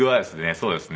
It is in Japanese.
そうですね。